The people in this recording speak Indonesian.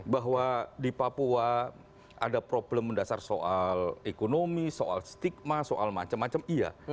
bahwa di papua ada problem mendasar soal ekonomi soal stigma soal macam macam iya